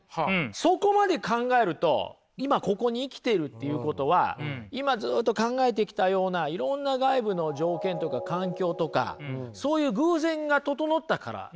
そこまで考えると今ここに生きているっていうことは今ずっと考えてきたようないろんな外部の条件とか環境とかそういう偶然が整ったからですよね。